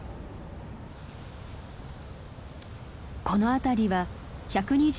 この辺りは１２０